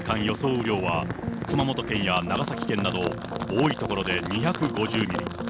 雨量は、熊本県や長崎県など、多い所で２５０ミリ。